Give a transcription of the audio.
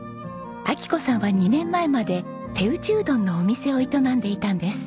昭子さんは２年前まで手打ちうどんのお店を営んでいたんです。